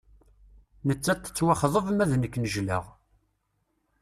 Nettat tettwaxḍeb ma d nek nejlaɣ.